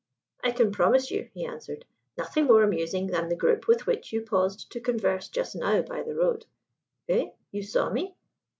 "I can promise you," he answered, "nothing more amusing than the group with which you paused to converse just now by the road." "Eh? You saw me?"